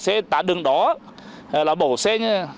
xe đường đó là bổ xe